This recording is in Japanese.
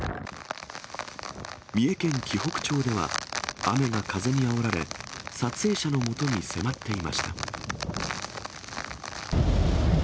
三重県紀北町では、雨や風にあおられ、撮影者のもとに迫っていました。